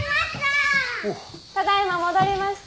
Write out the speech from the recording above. ただいま戻りました。